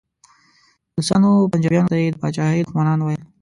روسانو او پنجابیانو ته یې د پاچاهۍ دښمنان ویل.